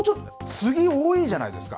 スギ多いじゃないですか。